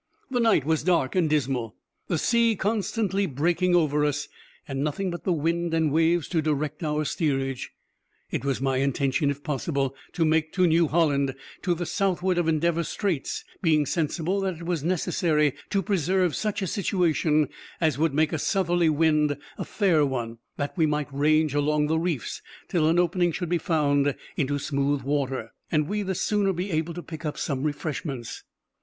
The night was dark and dismal, the sea constantly breaking over us, and nothing but the wind and waves to direct our steerage. It was my intention, if possible, to make to New Holland, to the southward of Endeavor Straits, being sensible that it was necessary to preserve such a situation as would make a southerly wind a fair one; that we might range along the reefs till an opening should be found into smooth water, and we the sooner be able to pick up some refreshments.